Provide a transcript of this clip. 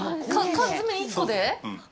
缶詰１個で！？